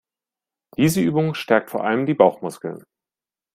Diese Übung stärkt vor allem die Bauchmuskeln.